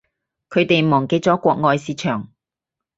佢哋忘記咗國外市場